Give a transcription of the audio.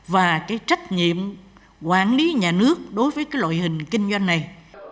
và trách nhiệm quản lý nhà nước đối với loại hình kinh doanh này